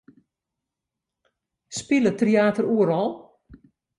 Spilet Tryater oeral?